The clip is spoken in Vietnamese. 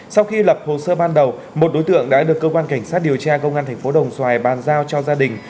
sau khi lập hồ sơ ban đầu một đối tượng đã được cơ quan cảnh sát điều tra công an thành phố đồng xoài bàn giao cho gia đình